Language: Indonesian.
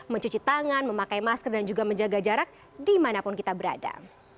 mencuci tangan memakai masker dan juga menjaga jarak dimanapun kita berada